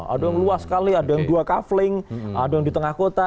ada yang luas sekali ada yang dua kaveling ada yang di tengah kota